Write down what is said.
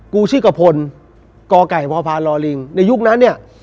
กูชื่อกระพลกไก่พพลลิงในยุคนั้นเนี่ย